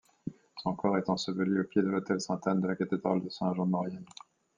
Son corps est enseveli au pied de l'autel Saint-Anne de la cathédrale de Saint-Jean-de-Maurienne.